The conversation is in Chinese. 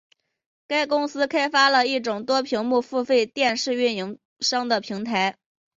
该公司开发了一种多屏幕付费电视运营商的平台。